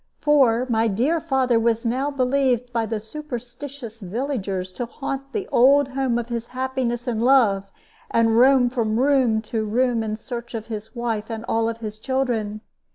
For my dear father was now believed by the superstitious villagers to haunt the old home of his happiness and love, and roam from room to room in search of his wife and all his children.